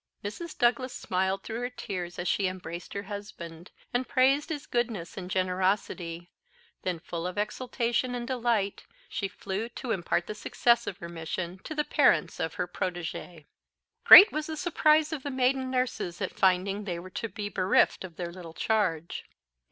Mrs. Douglas smiled through her tears as she embraced her husband, and praised his goodness and generosity; then, full of exultation and delight, she flew to impart the success of her mission to the parents of her protégée. Great was the surprise of the maiden nurses at finding they were to be bereft of their little charge.